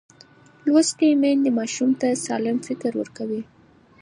لوستې میندې ماشوم ته سالم فکر ورکوي.